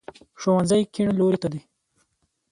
ښوونځی کیڼ لوري ته دی